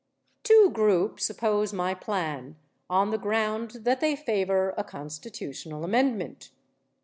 Two groups oppose my plan on the ground that they favor a constitutional amendment.